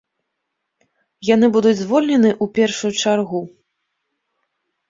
Яны будуць звольнены ў першую чаргу.